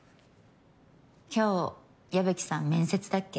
今日矢吹さん面接だっけ？